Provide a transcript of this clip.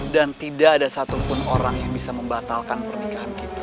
dan tidak ada satupun orang yang bisa membatalkan pernikahan kita